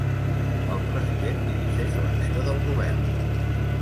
El president dirigeix l’acció del govern.